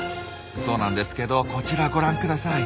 そうなんですけどこちらご覧ください。